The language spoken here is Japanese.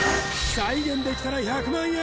「再現できたら１００万円！